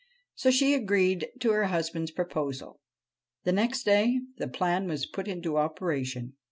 So she agreed to her husband's proposal. The next day the plan was put into operation.